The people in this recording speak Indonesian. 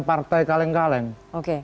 partai kaleng kaleng oke